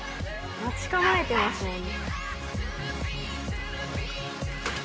待ち構えてますもんね。